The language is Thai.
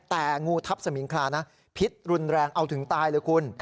แต่งูทับสมิงคลานะพิษรุนแรงเอาถึงตายเลยคุณ